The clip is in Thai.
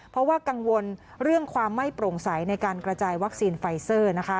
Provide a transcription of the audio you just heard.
เพราะว่ากังวลเรื่องความไม่โปร่งใสในการกระจายวัคซีนไฟเซอร์นะคะ